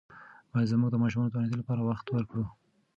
باید زموږ د ماشومانو د مطالعې لپاره وخت ورکړو.